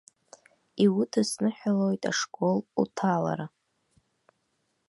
Иудысныҳәалоит ашкол уҭалара!